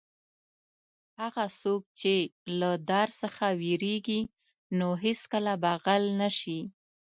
هغه څوک چې له دار څخه وېرېږي نو هېڅکله به غل نه شي.